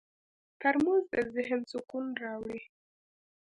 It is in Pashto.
ترموز د ذهن سکون راوړي.